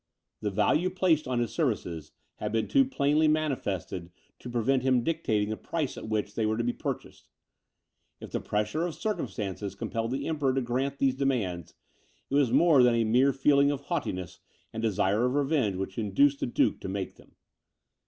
The value placed on his services had been too plainly manifested to prevent him dictating the price at which they were to be purchased. If the pressure of circumstances compelled the Emperor to grant these demands, it was more than a mere feeling of haughtiness and desire of revenge which induced the duke to make them.